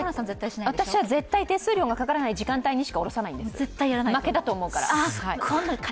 私は絶対手数料がかからない時間帯しかおろさないんです。